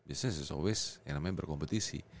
business is always yang namanya berkompetisi